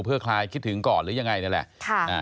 เพื่อคลายคิดถึงก่อนหรือยังไงนี่แหละ